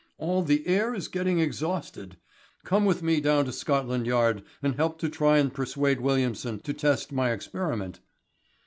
"All the air is getting exhausted. Come with me down to Scotland Yard and help to try and persuade Williamson to test my experiment."